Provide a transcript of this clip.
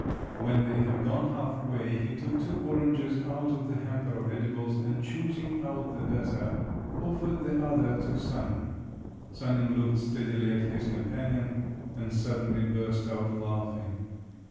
When they had gone half way, he took two oranges out of the hamper of edibles, and choosing out the better, offered the other to Sanin. Sanin looked steadily at his companion, and suddenly burst out laughing.